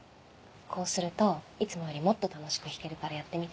こうするといつもよりもっと楽しく弾けるからやってみて。